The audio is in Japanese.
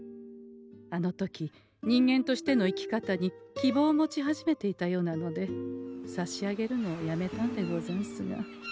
あの時人間としての生き方に希望を持ち始めていたようなので差し上げるのをやめたんでござんすが。